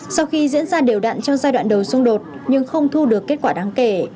sau khi diễn ra đều đặn trong giai đoạn đầu xung đột nhưng không thu được kết quả đáng kể